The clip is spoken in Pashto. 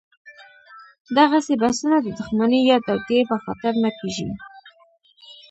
دغسې بحثونه د دښمنۍ یا توطیې په خاطر نه کېږي.